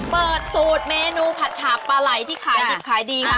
เปิดสูตรเมนูผัชฌาปลาไหล่ที่ขายดีครับแม่